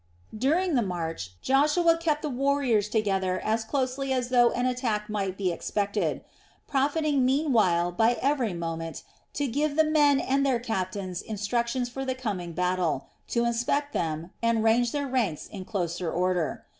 During the march Joshua kept the warriors together as closely as though an attack might be expected; profiting meanwhile by every moment to give the men and their captains instructions for the coming battle, to inspect them, and range their ranks in closer order.